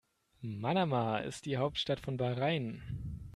Manama ist die Hauptstadt von Bahrain.